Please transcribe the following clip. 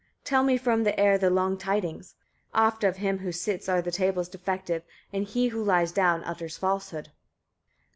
Tell me from the air the long tidings. Oft of him who sits are the tales defective, and he who lies down utters falsehood."